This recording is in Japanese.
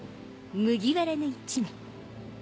麦わらの一味。